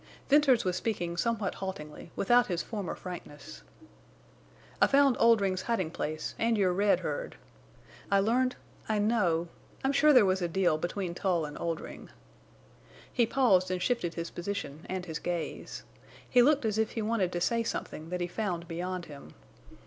Venters was speaking somewhat haltingly, without his former frankness. "I found Oldring's hiding place and your red herd. I learned—I know—I'm sure there was a deal between Tull and Oldring." He paused and shifted his position and his gaze. He looked as if he wanted to say something that he found beyond him.